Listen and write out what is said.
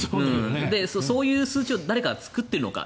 そういう数値を誰かが作っているのか。